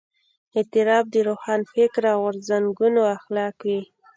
اعتراف د روښانفکره غورځنګونو اخلاق وي.